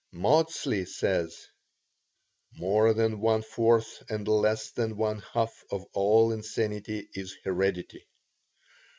Maudsley says: "More than one fourth and less than one half of all insanity is heredity."